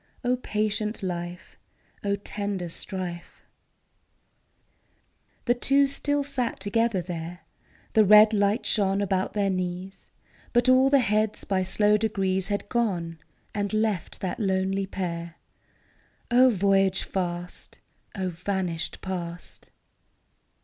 O patient life! O tender strife! 88 FROM QUERNS' GARDENS. The two still sat together there, The red light shone about their knees ; But all the heads by slow degrees Had gone and left that lonely pair. O voyage fast! O vanished past!